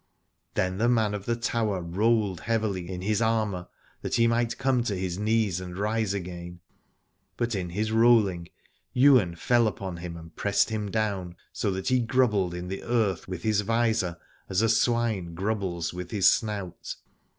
Then the man of the Tower rolled heavily in his armour, that he might come to his knees and rise again, but in his rolling Ywain fell upon him and pressed him down, so that he grubbled in the earth with his visor as a swine grubbles with his snout.